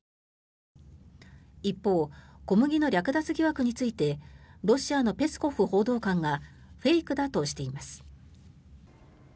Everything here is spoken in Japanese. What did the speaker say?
一方、小麦の略奪疑惑についてロシアのペスコフ報道官がフェイクだとしています。